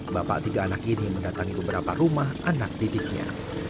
bapak tiga anak ini mendatangi beberapa rumah anak didiknya